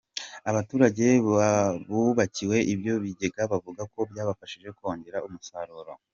Abaturage bubakiwe ibyo bigega bavuga ko byabafashije kongera umusaruro.